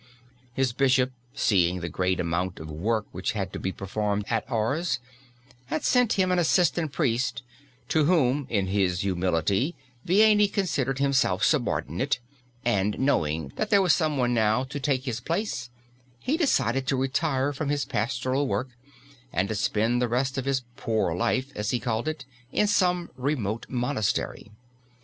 His bishop, seeing the great amount of work which had to be performed at Ars, had sent him an assistant priest, to whom, in his humility, Vianney considered himself subordinate and, knowing that there was some one now to take his place, he decided to retire from his pastoral work and to spend the rest of his "poor life," as he called it, in some remote monastery.